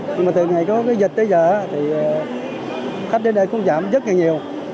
nhưng mà từ ngày có cái dịch tới giờ thì khách đến đây cũng giảm rất là nhiều